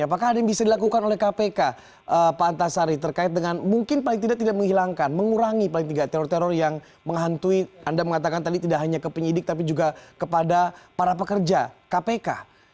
apakah ada yang bisa dilakukan oleh kpk pak antasari terkait dengan mungkin paling tidak tidak menghilangkan mengurangi paling tidak teror teror yang menghantui anda mengatakan tadi tidak hanya ke penyidik tapi juga kepada para pekerja kpk